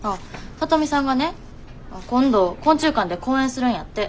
聡美さんがね今度昆虫館で講演するんやって。